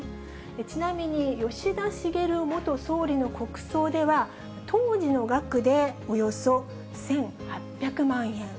ちなみに、吉田茂元総理の国葬では、当時の額でおよそ１８００万円。